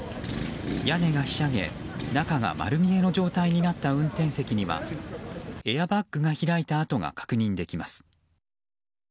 屋根がひしゃげ、中が丸見えの状態になった運転席にはエアバッグが開いた跡が確認できます。